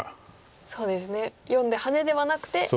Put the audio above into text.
そうですね④でハネではなくてアタリ。